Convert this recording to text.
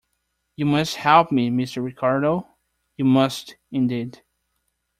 You must help me, Mr. Ricardo — you must, indeed!